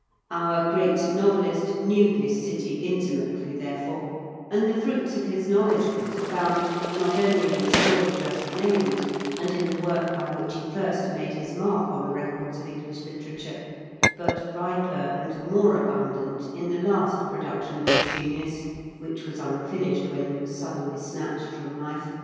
Our great novelist knew this city inti mately, therefore, and the fruits of his know ledge of it are found, not only in the story just named, and in the work by which he first made his mark on the records of English literature, but riper and more abundant in the last production of his genius, which was unfinished when he was suddenly snatched from life.